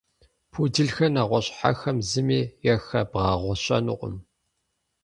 Пуделхэр нэгъуэщӏ хьэхэм зыми яхэбгъэгъуэщэнукъым.